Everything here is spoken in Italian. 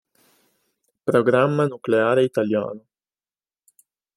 Programma nucleare italiano